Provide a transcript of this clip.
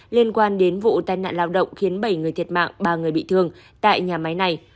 liên quan đến vụ tai nạn lao động khiến bảy người thiệt mạng ba người bị thương tại nhà máy này